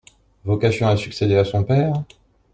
Vocation à succéder à son père ?